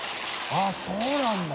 △そうなんだ。